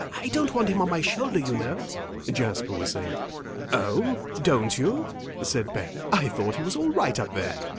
I don't want him on my shoulder, you know," Jasper was saying. "Oh, don't you?" said Ben. "I thought he was all right up there."